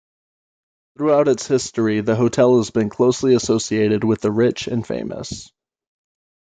Throughout its history the hotel has been closely associated with the rich and famous.